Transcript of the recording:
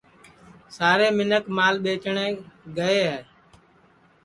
سارے منکھ مال ٻیجٹؔے گئے ہے